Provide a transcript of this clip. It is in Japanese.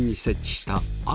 設置した。